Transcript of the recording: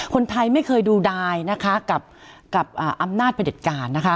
คนไทยไม่เคยดูดายกับอำนาจประเด็จการ